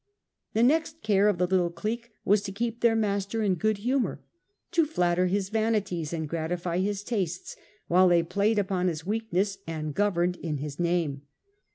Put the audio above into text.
The next care of the little clique was to keep their master in good humour, to flatter his vanities and gratify his tastes, while they played upon his Claudius weakness and governed in his name.